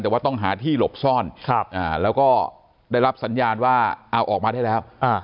แต่ว่าต้องหาที่หลบซ่อนแล้วก็ได้รับสัญญาณว่าเอาออกมาได้แล้ว